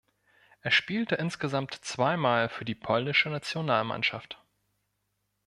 Er spielte insgesamt zweimal für die polnische Nationalmannschaft.